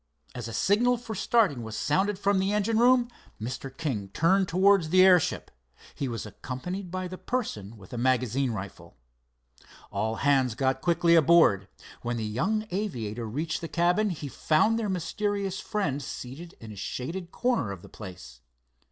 As a signal for starting was sounded from the engine room, Mr. King turned towards the airship. He was accompanied by the person with the magazine rifle. All hands got quickly aboard. When the young aviator reached the cabin he found their mysterious friend seated in a shaded corner of the place.